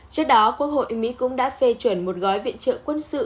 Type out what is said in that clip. trước đó quốc hội mỹ cũng đã phê chuẩn một gói viện trợ quân sự